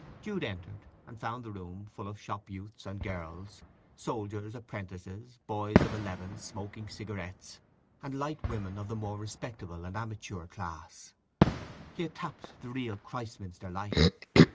Jude entered, and found the room full of shop youths and girls, soldiers, apprentices, boys of eleven smoking cigarettes, and light women of the more respectable and amateur class. He had tapped the real Christminster life.